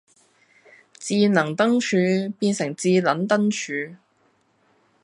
智能燈柱變成致撚燈柱